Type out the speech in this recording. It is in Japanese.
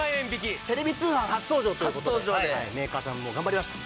テレビ通販初登場という事でメーカーさんも頑張りました。